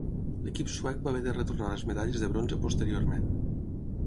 L'equip suec va haver de retornar les medalles de bronze posteriorment.